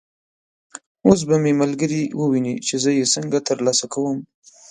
اوس به مې ملګري وویني چې زه یې څنګه تر لاسه کوم.